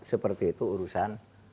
seperti itu urusan